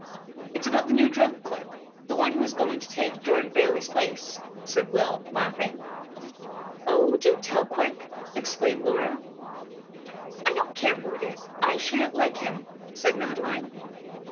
"It's about the new drug clerk, the one who is going to take George Bayley's place," said Will, laughing. "Oh, do tell, quick!" exclaimed Laura. "I don't care who it is. I sha'n't like him," said Madeline.